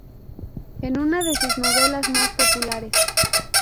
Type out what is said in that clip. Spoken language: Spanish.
Es una de sus novelas más populares.